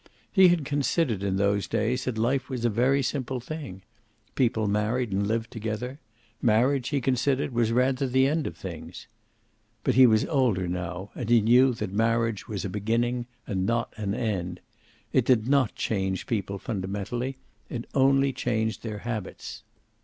He had considered, in those days, that life was a very simple thing. People married and lived together. Marriage, he considered, was rather the end of things. But he was older now, and he knew that marriage was a beginning and not an end. It did not change people fundamentally. It only changed their habits.